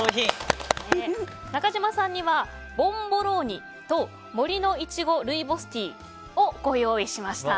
中島さんにはボンボローニと森のイチゴルイボスティーをご用意いたしました。